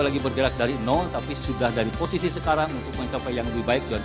lagi bergerak dari nol tapi sudah dari posisi sekarang untuk mencapai yang lebih baik dan